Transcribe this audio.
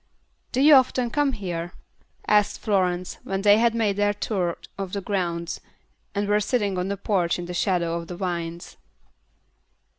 "Do you often come here?" asked Florence, when they had made their tour of the grounds and were sitting on the porch in the shadow of the vines.